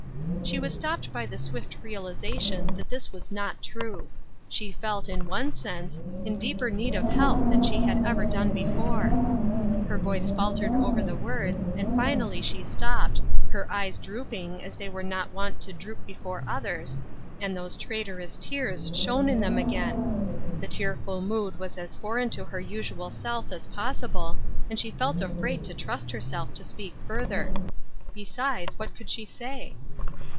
She was stopped by the swift realization that this was not true. She felt, in one sense, in deeper need of help than she had ever done Seeking Help. 79 before. Her voice faltered over the words, and finally she stopped, her eyes drooping as they were not wont to droop before others, and those traitorous tears shone in them again. The tear ful mood was as foreign to her usual self as pos sible, and she felt afraid to trust herself to speak further. Besides, what could she say